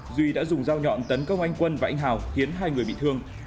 duy đã dùng dao nhọn tấn công anh quân và anh hào khiến hai người bị thương